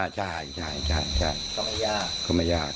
ใช่ใช่ใช่ก็ไม่ยาก